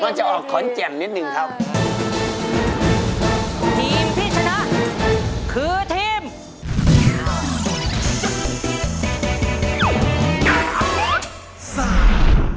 มันจะออกขอนแจ่มนิดหนึ่งครับ